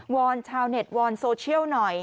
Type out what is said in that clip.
อนชาวเน็ตวอนโซเชียลหน่อย